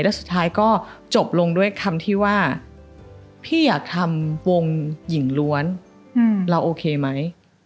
แล้วสุดท้ายก็จบลงด้วยคำที่ว่าพี่อยากทำวงหญิงล้วนเราโอเคไหม